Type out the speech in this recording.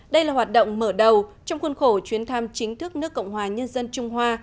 đây là hoạt động mở đầu trong khuôn khổ chuyến thăm chính thức nước cộng hòa nhân dân trung hoa